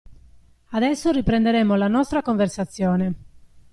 Adesso riprenderemo la nostra conversazione.